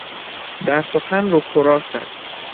در سخن رک و رو راست است.